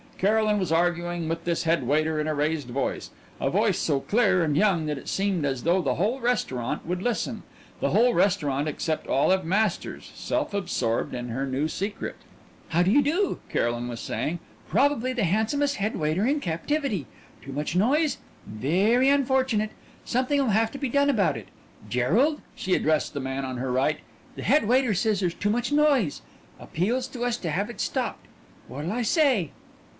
Caroline was arguing with this head waiter in a raised voice, a voice so clear and young that it seemed as though the whole restaurant would listen the whole restaurant except Olive Masters, self absorbed in her new secret. "How do you do?" Caroline was saying. "Probably the handsomest head waiter in captivity. Too much noise? Very unfortunate. Something'll have to be done about it. Gerald" she addressed the man on her right "the head waiter says there's too much noise. Appeals to us to have it stopped. What'll I say?"